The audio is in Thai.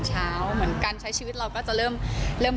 ออกงานอีเวนท์ครั้งแรกไปรับรางวัลเกี่ยวกับลูกทุ่ง